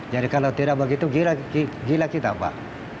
jadi kalau tidak begitu gila kita pak